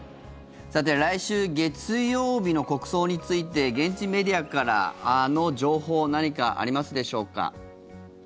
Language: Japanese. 来週月曜日の国葬について現地メディアからの情報何かありますでしょうか。